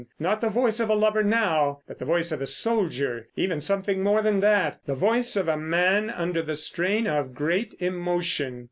Not the voice of a lover now, but the voice of a soldier—even something more than that, the voice of a man under the strain of great emotion.